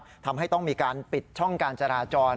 ทำให้ต้องมีการปิดช่องการจราจร